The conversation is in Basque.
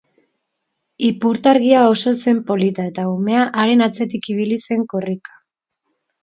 Ipurtargia oso zen polita eta umea haren atzetik ibili zen korrika.